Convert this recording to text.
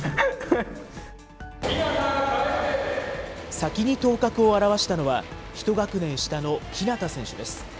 先に頭角を現したのは、１学年下の日向選手です。